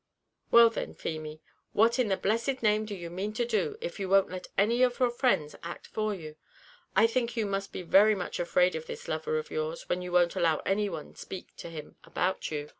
"Well, then, Feemy, what in the blessed name do you mean to do, if you won't let any of your friends act for you? I think you must be very much afraid of this lover of yours, when you won't allow any one speak to him about you.